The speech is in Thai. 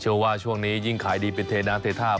เชื่อว่าช่วงนี้ยิ่งขายดีเป็นเทน้ำเททาบ